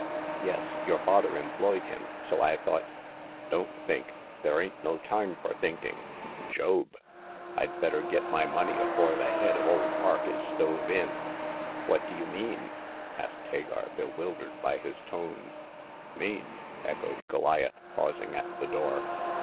'* Yes ; your father employed him, so I thought "Don't think! there ain't no time for think ing ! Job ! Fd better get my money afore the head of old Yark is stove in !" "What do you mean?" asked Hagar, bewil dered by his tone. Mean !" echoed Goliath, pausing at the door.